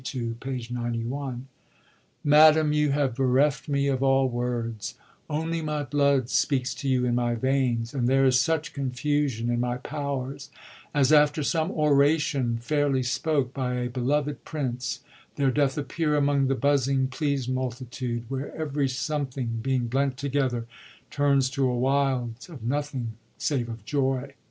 ii. p.91:— "' Madam, you hare bereft me of all words : Only my blood speaks to you in my yeins ; And there is such confusion in my powers Aa after some aratiOTiy ftdrly tpoke Bffd beloved princet there doth appear Among the buszing pleased mtiUitude ; Where every something, being blent together, Turns to a wild of nothing, save of joy.